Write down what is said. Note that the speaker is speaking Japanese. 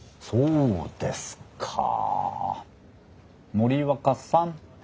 森若さん。